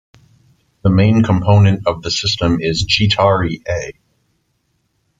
The main component of the system is Chi Tauri A.